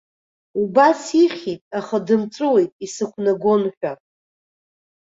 Убас ихьит, аха дымҵәыуеит, исықәнагон ҳәа.